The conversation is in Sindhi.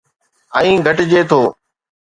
۽ گھٽجي ٿو